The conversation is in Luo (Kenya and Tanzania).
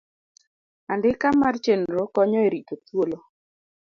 Andika mar Chenro konyo e rito thuolo.